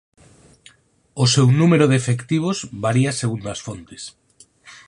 O seu número de efectivos varía segundo as fontes.